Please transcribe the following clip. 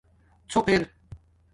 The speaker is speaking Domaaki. ݼق ار